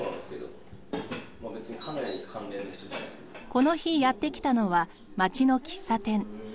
この日やってきたのは町の喫茶店。